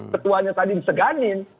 ketuanya tadi diseganin